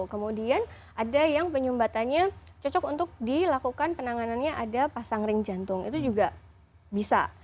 kemudian ada yang penyumbatannya cocok untuk dilakukan penanganannya ada pasang ring jantung itu juga bisa